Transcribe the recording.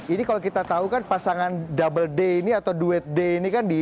ini kalau kita tahu kan pasangan double d ini atau duet d ini kan di